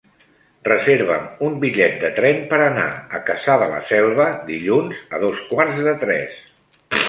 Reserva'm un bitllet de tren per anar a Cassà de la Selva dilluns a dos quarts de tres.